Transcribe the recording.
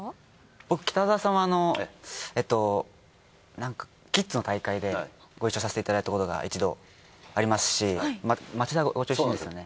僕北澤さんはあのえっとなんかキッズの大会でご一緒させていただいたことが一度ありますし町田ご出身ですよね？